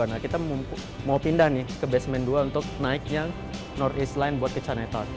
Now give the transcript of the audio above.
nah kita mau pindah nih ke basement dua untuk naiknya north east line buat ke chinatown